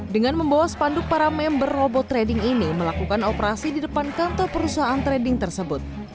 dengan membawa spanduk para member robot trading ini melakukan operasi di depan kantor perusahaan trading tersebut